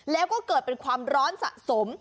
แล้วก็เกิดเป็นความร้อนสะสม